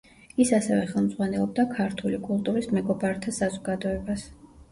ის ასევე ხელმძღვანელობდა „ქართული კულტურის მეგობართა საზოგადოებას“.